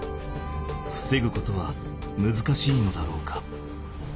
ふせぐことは難しいのだろうか？